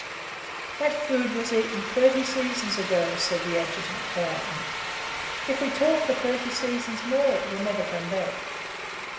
"That food was eaten thirty seasons ago," said the Adjutant quietly. "If we talk for thirty seasons more it will never come back.